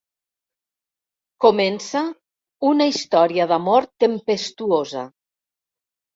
Comença una història d'amor tempestuosa.